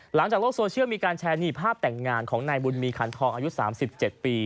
หลังจากโลกโซเชียลมีการแชร์นี่ภาพแต่งงานของนายบุญมีขันทองอายุ๓๗ปี